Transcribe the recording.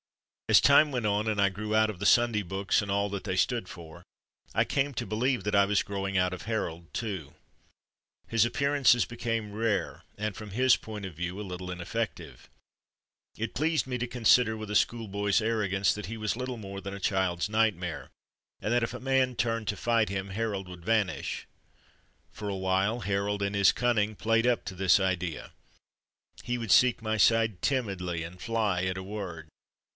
As time went on, and I grew out of the Sunday books and all that they stood for, I came to believe that I was growing out of Harold too. His appearances became rare, and, from his point of view, a little ineffec tive. It pleased me to consider with a schoolboy's arrogance that he was little more than a child's nightmare, and that if THE DAT BEFORE YESTERDAY a. man.. turned .10 .fight him Harold would vanish. For a while Harold, in his cunning, played up to this idea. He would seek my side timidly, and fly at a word.